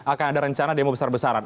akan ada rencana demo besar besaran